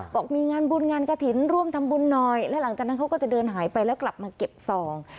บอกมีงานบุญงานกระถิ่นร่วมทำบุญหน่อยแล้วหลังจากนั้นเขาก็จะเดินหายไปแล้วกลับมาเก็บซอง